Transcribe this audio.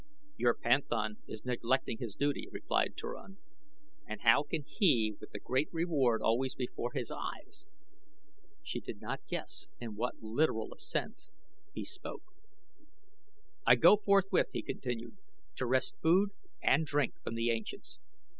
"Your panthan is neglecting his duty," replied Turan; "and how can he with the great reward always before his eyes!" She did not guess in what literal a sense he spoke. "I go forthwith," he continued, "to wrest food and drink from the ancients."